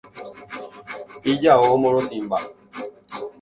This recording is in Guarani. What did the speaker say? Ijao morotĩmba.